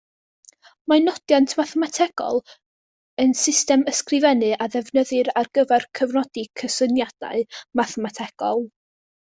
Mae nodiant mathemategol yn system ysgrifennu a ddefnyddir ar gyfer cofnodi cysyniadau mathemategol.